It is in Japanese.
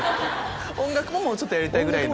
「音楽ももうちょっとやりたい」ぐらいの。